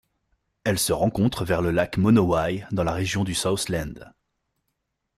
Elle se rencontre vers le lac Monowai dans la région du Southland.